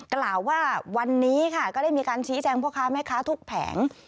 กล่าวว่าวันนี้ค่ะก็ได้มีการชี้แจงพ่อค้าแม่ค้าทุกแผง